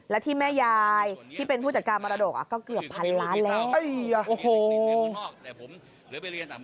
และที่แม่ยายที่เป็นผู้จัดการมรดกก็เกือบพันล้านแล้ว